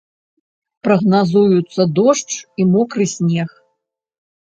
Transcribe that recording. Прагназуюцца дождж і мокры снег.